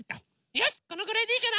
よしこのぐらいでいいかな。